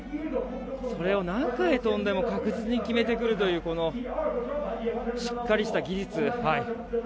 それを何回飛んでも確実に決めてくるというしっかりした技術。